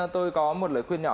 tôi có một lời khuyên nhỏ